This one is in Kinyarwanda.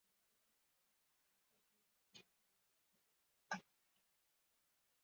Umuhungu ahagaze afunguye umunwa kuntambwe zimanuka kumazi